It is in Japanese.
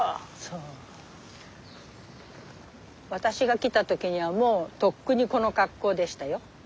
私が来た時はもうとっくにこの格好でしたよ。